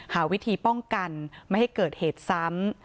หาวิธีป้องกันไม่ให้เกิดเหตุซ้ำ